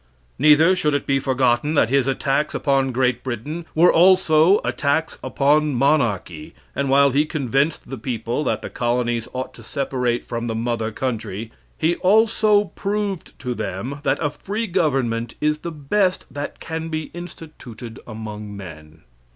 Neither should it be forgotten that his attacks upon Great Britain were also attacks upon monarchy, and while he convinced the people that the colonies ought to separate from the mother country, he also proved to them that a free government is the best that can be instituted among men.